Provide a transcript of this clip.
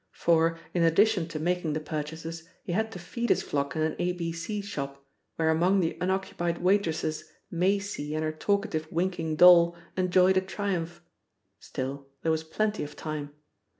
For, in addition to making the purchases, he had to feed his flock in an A B C shop, where among the unoccupied waitresses Maisie and her talkative winking doll enjoyed a triumph. Still, there was plenty of time.